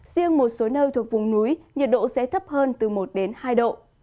riêng một số nơi thuộc vùng núi nhiệt độ sẽ thấp hơn từ một đến hai độ